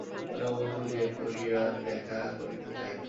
আমি অমন চুরি করিয়া দেখা করিতে চাই না।